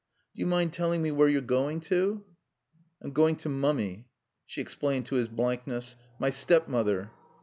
"Do you mind telling me where you're going to?" "I'm going to Mummy." She explained to his blankness: "My stepmother."